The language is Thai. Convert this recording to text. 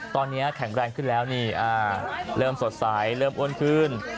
ตอนนี้แข็งแรงขึ้นแล้วนี่เริ่มสดใสเริ่มอ้วนขึ้น